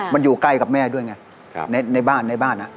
มันอยู่ใกล้กับแม่ด้วยไงในบ้าน